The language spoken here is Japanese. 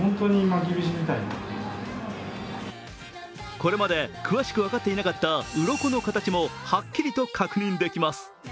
これまで詳しく分かっていなかった、うろこの形もはっきりと確認できます。